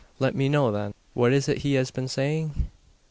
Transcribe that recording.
"Let me know then. What is it he has been saying?"